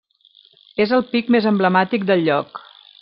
És el pic més emblemàtic del lloc.